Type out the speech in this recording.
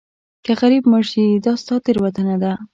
که غریب مړ شې دا ستا تېروتنه ده.